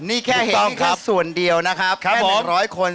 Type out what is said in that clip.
นี่แค่เห็นกองทัพส่วนเดียวนะครับแค่๒๐๐คน